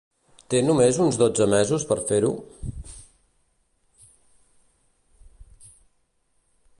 Té només uns dotze mesos per fer-ho?